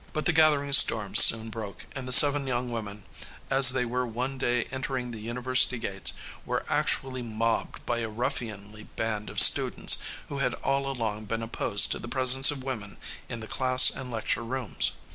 But the gathering storm soon broke, and the seven young women, as they were one day entering the university gates, were actually mobbed by a ruffianly band of students who had all along been opposed to the presence of women in the class and lecture rooms.